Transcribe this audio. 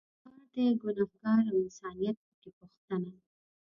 دا ښار دی ګنهار او انسانیت په کې پوښتنه